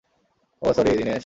ওহ, sorry, - Dinesh.